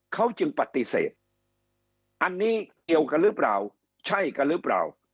เขาจึงปฏิเสธอันนี้เกี่ยวกันหรือเปล่าใช่กันหรือเปล่า